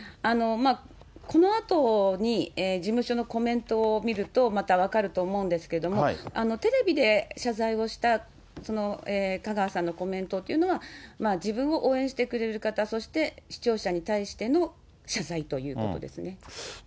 このあとに事務所のコメントを見るとまた分かると思うんですけれども、テレビで謝罪をした香川さんのコメントというのは、自分を応援してくれる方、そして視聴者に対しての謝罪ということですね。